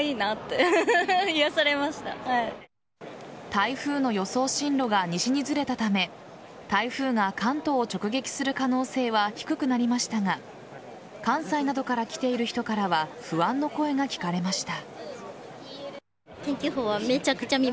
台風の予想進路が西にずれたため台風が関東を直撃する可能性は低くなりましたが関西などから来ている人からは不安の声が聞かれました。